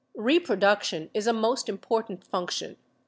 Reproduction is a most important function.